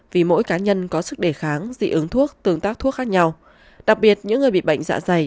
vì mỗi cá nhân có sức đề kháng dị ứng thuốc tương tác thuốc khác nhau đặc biệt những người bị bệnh dạ dày